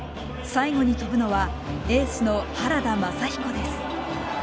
最後に飛ぶのはエースの原田雅彦です。